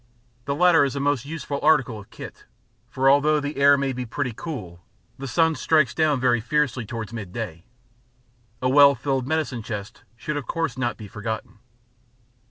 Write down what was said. The latter is a most useful article of kit, for although the air may be pretty cool, the sun strikes down very fiercely towards midday. A well filled medicine chest should of course not be forgotten.